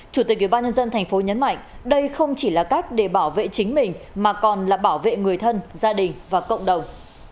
chủ tịch ubnd tp nhấn mạnh đây không chỉ là cách để bảo vệ chính mình mà còn là bảo vệ người thân gia đình và cộng đồng